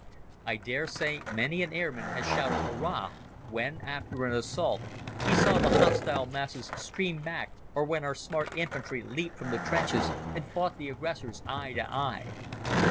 I dare say many an airman has shouted Hurrah! when, after an assault he saw the hostile masses stream back or when our smart infantry leaped from the trenches and fought the aggressors eye to eye.